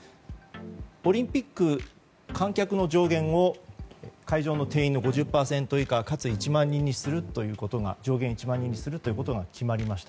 オリンピック観客の上限を会場の定員の５０％以下かつ上限１万人にするということが決まりました。